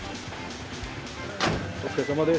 お疲れさまです。